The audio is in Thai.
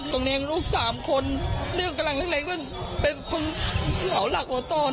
ตรงนี้ลูกสามคนเรื่องกำลังเล็กเป็นสาวหลักตอน